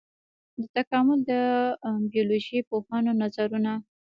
د تکامل د بيولوژي پوهانو نظرونه.